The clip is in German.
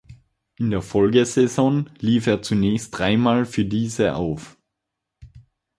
In der Folgesaison lief er zunächst dreimal für diese auf.